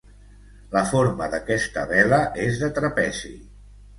La forma d'aquesta vela és de trapezi.